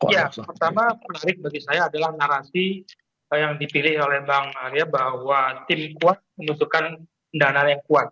ya pertama menarik bagi saya adalah narasi yang dipilih oleh bang arya bahwa tim kuat membutuhkan pendanaan yang kuat